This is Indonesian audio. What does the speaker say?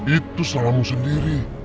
itu salahmu sendiri